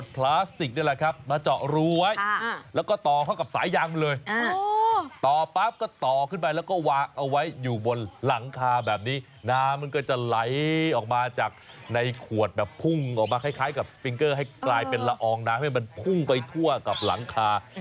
ให้กลายเป็นละอองนะให้มันพุ่งไปทั่วกับหลังคา